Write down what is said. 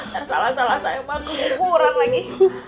biar salah salah saya panggil ukuran lagi